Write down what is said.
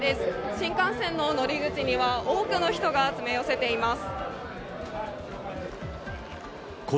新幹線の乗り口には多くの人が詰め寄せています。